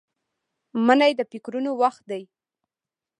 منی د فکرونو وخت دی